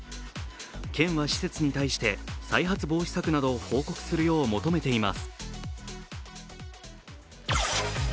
県は施設に対して、再発防止策などを報告するよう求めています。